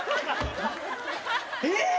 えっ！？